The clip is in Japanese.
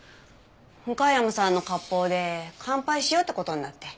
向山さんの割烹で乾杯しようって事になって。